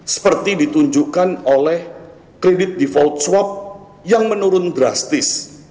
seperti ditunjukkan oleh kredit default swap yang menurun drastis